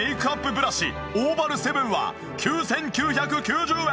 ブラシオーバル７は９９９０円！